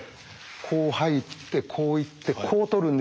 こう入ってこういってこう取るんですけど。